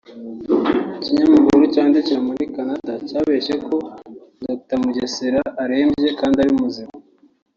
Ikinyamakuru cyandikirwa muri Canada cyabeshye ko Dr Mugesera arembye kandi ari muzima